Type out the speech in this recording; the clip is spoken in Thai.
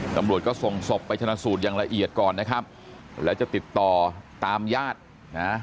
ตำรวจก็ส่งศพไปชนะสูตรอย่างละเอียดก่อนนะครับแล้วจะติดต่อตามญาตินะ